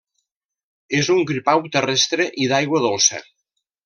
És un gripau terrestre i d'aigua dolça.